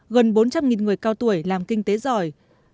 gần bốn trăm linh người cao tuổi làm kinh tế giỏi